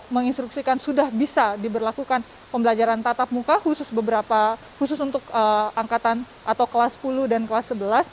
menginstruksikan sudah bisa diberlakukan pembelajaran tatap muka khusus untuk angkatan atau kelas sepuluh dan kelas sebelas